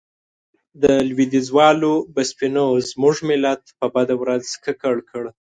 د لوېديځوالو بسپنو زموږ ملت په بده ورځ ککړ کړ.